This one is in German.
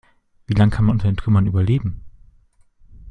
Wie lang kann man unter den Trümmern überleben?